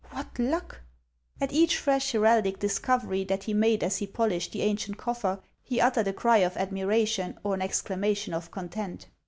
What luck !" At each fresh heraldic discovery that he made as he polished the ancient coffer, he uttered a cry of admiration or an exclamation of content.